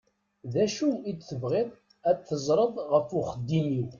D acu i tebɣiḍ ad teẓṛeḍ ɣef uxeddim-iw?